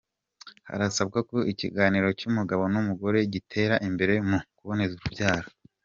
Harasabwa ko ikiganiro cy’umugabo n’umugore gitera imbere mu kuboneza urubyaro